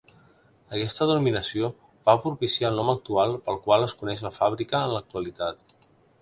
Aquesta denominació va propiciar el nom actual pel qual es coneix la fàbrica en l'actualitat.